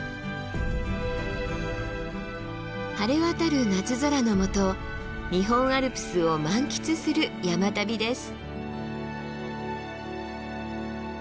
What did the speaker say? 晴れ渡る夏空のもと日本アルプスを満喫する山旅です。